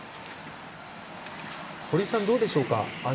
堀さん、どうでしょうか。